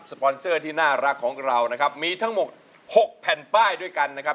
ปอนเซอร์ที่น่ารักของเรานะครับมีทั้งหมดหกแผ่นป้ายด้วยกันนะครับ